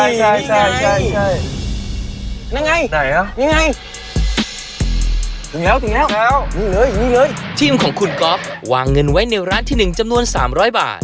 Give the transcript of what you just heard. ถึงแล้วถึงแล้วอยู่เลยอยู่เลยทีมของคุณก๊อฟวางเงินไว้ในร้านที่หนึ่งจำนวนสามร้อยบาท